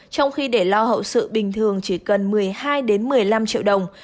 trong khi để lo hậu sự bình thường chỉ cần một mươi hai một mươi năm triệu đồng